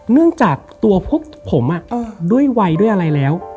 เนื่องจากตัวพวกผมด้วยวัยด้วยอะไรแล้ว